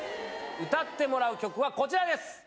歌ってもらう曲はこちらです。